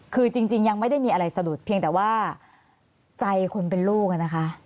คือจริงยังไม่ได้มีอะไรสะดุดเพียงแต่ว่าใจคนเป็นลูกนะคะ